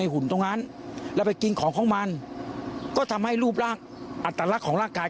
หุ่นตรงนั้นแล้วไปกินของของมันก็ทำให้รูปร่างอัตลักษณ์ของร่างกาย